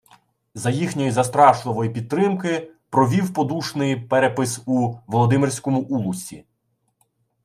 За їхньої застрашливої підтримки провів подушний перепис у Володимирському улусі